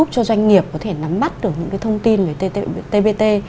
cho doanh nghiệp có thể nắm bắt được những thông tin về tbt